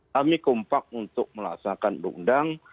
kami kompak untuk melaksanakan undang undang